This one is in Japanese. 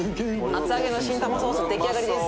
厚揚げの新玉ソース出来上がりです。